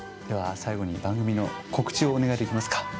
では最後に番組の告知をお願いできますか。